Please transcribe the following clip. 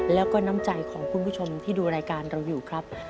แล้วก็น้ำใจของคุณผู้ชมที่ดูรายการเราอยู่ครับ